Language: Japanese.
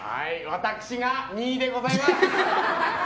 私が２位でございます。